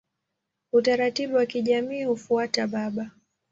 Utaratibu wa kijamii hufuata baba.